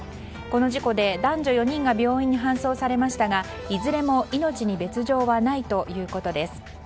この事故で男女４人が病院に搬送されましたがいずれも命に別条はないということです。